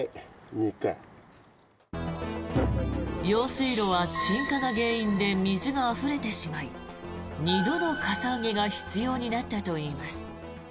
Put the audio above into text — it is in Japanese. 用水路は沈下が原因で水があふれてしまい２度のかさ上げが必要になったといいます。